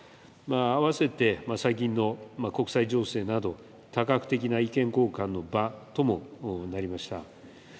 併せて最近の国際情勢など、多角的な意見交換の場ともなりました。